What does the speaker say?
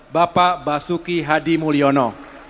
bapak basuki hadi mulyono